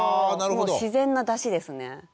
もう自然なだしですね。